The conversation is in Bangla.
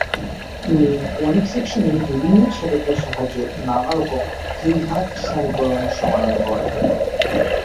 তিনি কোনিক সেকশনের বিভিন্ন ছেদকের সাহায্যে নানারকম ত্রিঘাত সমীকরণ সমাধান করেন।